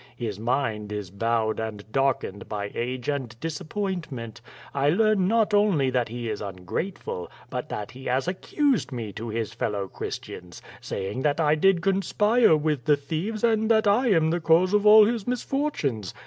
His mind is bowed and darkened by age and disappointment. I learn not only that he is ungrateful, but that he has accused me to his fellow Christians, saying that I did conspire with the thieves and that I am the cause of all his misfortunes.